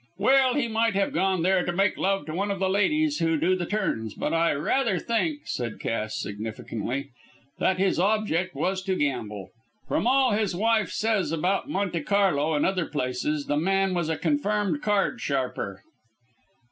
"Well, he might have gone there to make love to one of the ladies who do the turns, but I rather think," said Cass, significantly, "that his object was to gamble. From all his wife says about Monte Carlo and other places the man was a confirmed card sharper."